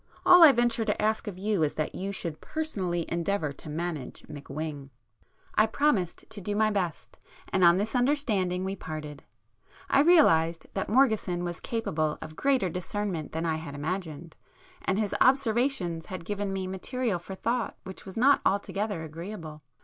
All I venture to ask of you is that you should personally endeavour to manage McWhing!" I promised to do my best, and on this understanding we parted. I realised that Morgeson was capable of greater discernment than I had imagined, and his observations had given me material for thought which was not altogether [p 102] agreeable.